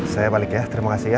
saya balik ya terimakasih ya